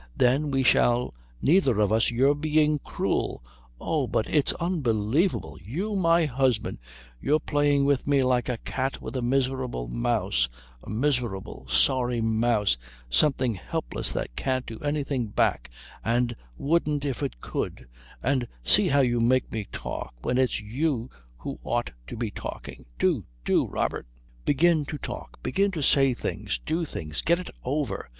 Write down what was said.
Then we shall neither of us " "You're being cruel oh, but it's unbelievable you, my husband you're playing with me like a cat with a miserable mouse, a miserable, sorry mouse, something helpless that can't do anything back and wouldn't if it could and see how you make me talk, when it's you who ought to be talking! Do, do, Robert, begin to talk begin to say things, do things, get it over.